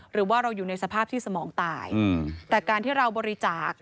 หรือว่าเราอยู่ในสภาพที่สมองตายแต่การที่เราบริจาค